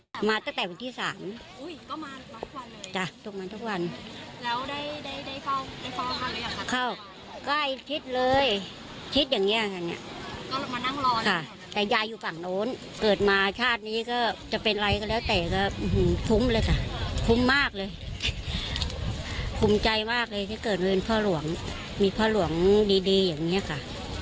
คุ้มใจมากเลยเมื่อเกิดมาบริเวณพระหล่วงพระหล่วงดีอย่างนี้ค่ะ